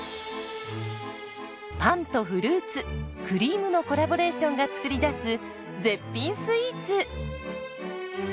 パンとフルーツクリームのコラボレーションが作り出す絶品スイーツ。